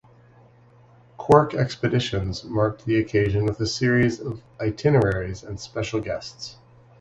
Quark Expeditions marked the occasion with a series of itineraries and special guests.